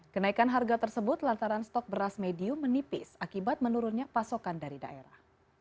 kenaikan harga tersebut lantaran stok beras medium menipis akibat menurunnya pasokan dari daerah